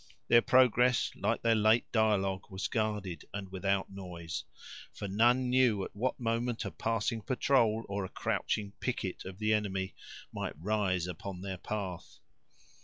Their progress, like their late dialogue, was guarded, and without noise; for none knew at what moment a passing patrol, or a crouching picket of the enemy, might rise upon their path.